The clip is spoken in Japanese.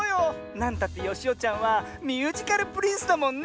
なんたってよしおちゃんはミュージカルプリンスだもんね。